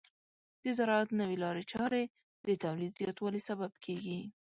د زراعت نوې لارې چارې د تولید زیاتوالي سبب کیږي.